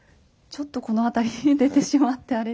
ちょっとこの辺りに出てしまって。